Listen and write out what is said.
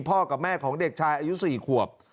กับแม่ของเด็กชายอายุ๔ขวบ